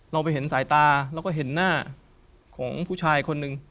เราไปเห็นสายตาแล้วก็เห็นหน้าของผู้ชายคนหนึ่ง